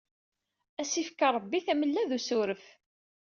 As ifk ṛabbi tamella d usuref.